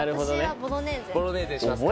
ボロネーゼにしますか。